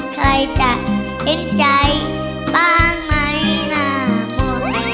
ใครจะเห็นใจบ้างไหมน่าพอ